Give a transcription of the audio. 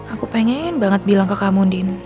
aku pengen banget bilang ke kamu din